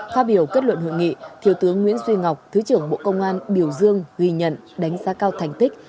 phát biểu kết luận hội nghị thiếu tướng nguyễn duy ngọc thứ trưởng bộ công an biểu dương ghi nhận đánh giá cao thành tích